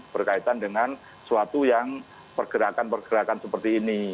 berkaitan dengan suatu yang pergerakan pergerakan seperti ini